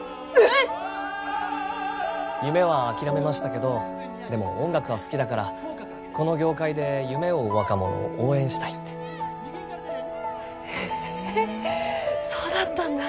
アア夢は諦めましたけどでも音楽は好きだからこの業界で夢を追う若者を応援したいってへえそうだったんだ